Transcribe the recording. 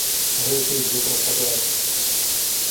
Гэй ты, дзе прападаеш?